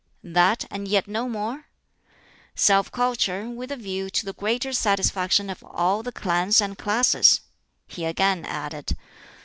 "That, and yet no more?" "Self culture with a view to the greater satisfaction of all the clans and classes," he again added.